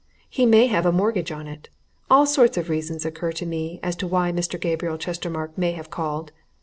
He may have a mortgage on it. All sorts of reasons occur to me as to why Mr. Gabriel Chestermarke may have called.